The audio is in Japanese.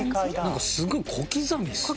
なんかすごい小刻みですね。